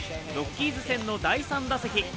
ロッキーズ戦の第３打席。